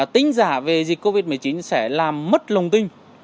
tính giả về dịch covid một mươi chín sẽ làm mất lòng tin